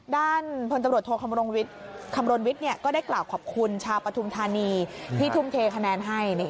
ด้านผลตำรวจโทษคำลงวิทย์คำลงวิทย์เนี่ยก็ได้กล่าวขอบคุณชาวปฐุมธานีที่ทุ่มเทคะแนนให้